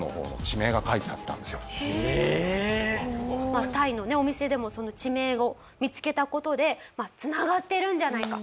まあタイのお店でもその地名を見付けた事でつながってるんじゃないか。